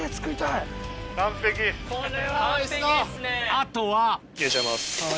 あとは入れちゃいます。